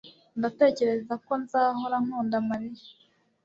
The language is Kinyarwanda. Ndatekereza ko nzahora nkunda Mariya